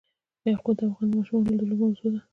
یاقوت د افغان ماشومانو د لوبو موضوع ده.